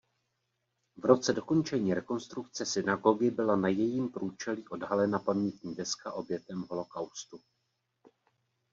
V roce dokončení rekonstrukce synagogy byla na jejím průčelí odhalena pamětní deska obětem holokaustu.